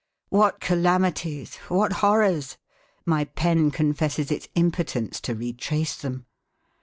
What calamities! What horrors! My pen confesses its impotence to retrace them.